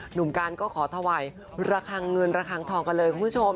หนุ่มการก็ขอถวายระคังเงินระคังทองกันเลยคุณผู้ชม